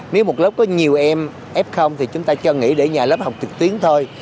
nếu một lớp có nhiều em f thì chúng ta cho nghỉ để nhà lớp học trực tuyến thôi